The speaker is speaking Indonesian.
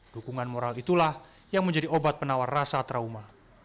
dukungan moral itulah yang menjadi obat penawar rasa trauma